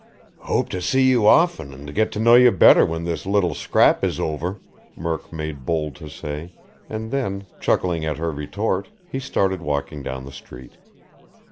"Hope to see you often and get to know you better when this little scrap is over," Murk made bold to say, and then, chuckling at her retort, he started walking down the street.